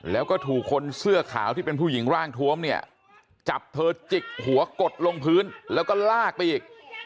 แล้วก็ถูกคนเสื้อขาวที่เป็นผู้หญิงร่างทวมเนี่ยจับเธอจิกหัวกดลงพื้นแล้วก็ลากไปอีก